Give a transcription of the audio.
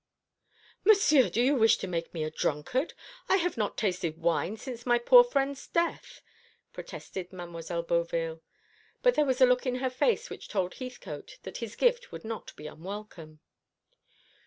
"Monsieur, do you wish to make me a drunkard? I have not tasted wine since my poor friend's death," protested Mademoiselle Beauville, but there was a look in her face which told Heathcote that his gift would not be unwelcome.